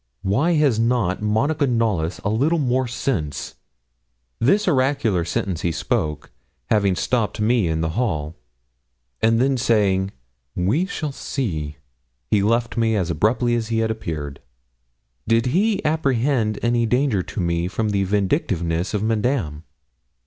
Why has not Monica Knollys a little more sense?' This oracular sentence he spoke, having stopped me in the hall; and then saying, 'We shall see,' he left me as abruptly as he appeared. Did he apprehend any danger to me from the vindictiveness of Madame?